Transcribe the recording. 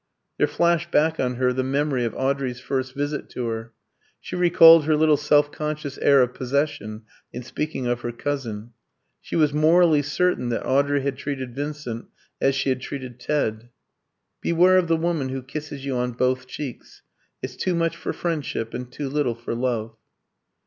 There flashed back on her the memory of Audrey's first visit to her. She recalled her little self conscious air of possession in speaking of her cousin. She was morally certain that Audrey had treated Vincent as she had treated Ted. "Beware of the woman who kisses you on both cheeks; it's too much for friendship, and too little for love!"